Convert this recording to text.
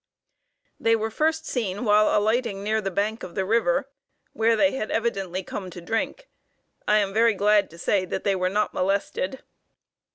They were first seen while alighting near the bank of the river, where they had evidently come to drink. I am very glad to say that they were not molested.